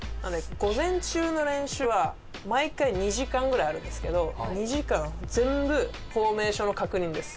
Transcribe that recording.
午前中の練習は毎回２時間ぐらいあるんですけど２時間全部フォーメーションの確認です。